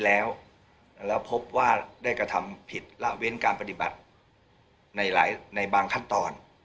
แล้วพบว่าได้กระทำผิดละเว้นการปฏิบัติในหลายในบางขั้นตอน